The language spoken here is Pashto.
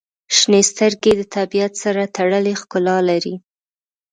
• شنې سترګې د طبیعت سره تړلې ښکلا لري.